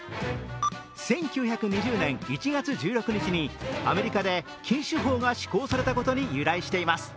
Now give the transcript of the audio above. １９２０年１月１６日にアメリカで禁酒法が施行されたことに由来しています。